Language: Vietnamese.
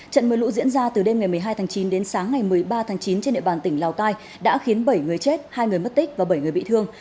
trận mưa lũ diễn ra từ đêm ngày một mươi hai tháng chín đến sáng ngày một mươi ba tháng chín trên địa bàn tỉnh lào cai đã khiến bảy người chết hai người mất tích và bảy người bị thương